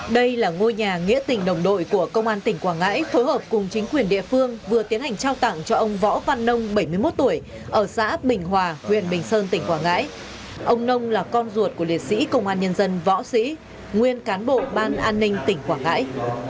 đây là ngôi nhà nghĩa tình đồng đội của công an tỉnh quảng ngãi phối hợp cùng chính quyền địa phương vừa tiến hành trao tặng cho ông võ văn nông bảy mươi một tuổi ở xã bình hòa huyện bình sơn tỉnh quảng ngãi ông nông là con ruột của liệt sĩ công an nhân dân võ sĩ nguyên cán bộ ban an ninh tỉnh quảng ngãi